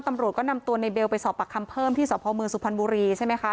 ตำรวจก็นำตัวในเบลไปสอบปากคำเพิ่มที่สพเมืองสุพรรณบุรีใช่ไหมคะ